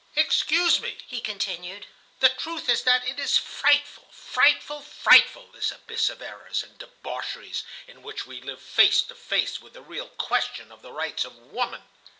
Excuse me (he continued): the truth is that it is frightful, frightful, frightful, this abyss of errors and debaucheries in which we live face to face with the real question of the rights of woman."